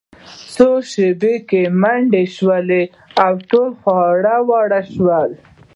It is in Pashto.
په څو شیبو کې منډې شوې او ټول خواره واره شول